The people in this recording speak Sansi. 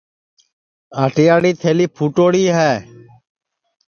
آٹیاڑی تھیلی پھٹوڑی ہے